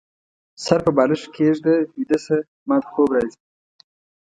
سر په بالښت کيږده ، ويده شه ، ماته خوب راځي